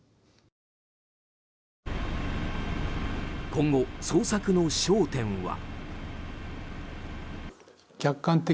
今後、捜索の焦点は。